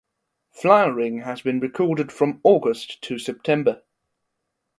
Flowering has been recorded from August to September.